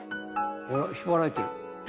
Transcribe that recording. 引っ張られてる。